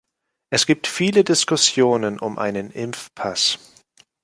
Es gibt viele Diskussionen um einen Impfpass.